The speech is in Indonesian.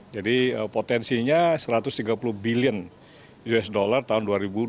jadi potensinya satu ratus tiga puluh bilion usd tahun dua ribu dua puluh lima dua ribu tiga puluh